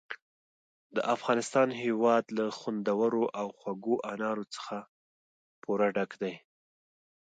د افغانستان هېواد له خوندورو او خوږو انارو څخه پوره ډک دی.